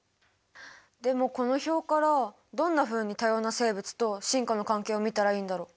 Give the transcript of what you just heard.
でもこの表からどんなふうに多様な生物と進化の関係を見たらいいんだろう？